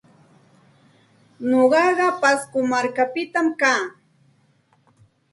Nuqaqa Pasco markapita kaa.